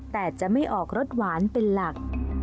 แต่จะไม่ออกรสหวานเป็นหลัก